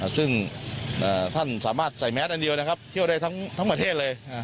ซึ่งท่านสามารถใส่แมสอันเดียวนะครับเที่ยวได้ทั้งประเทศเลย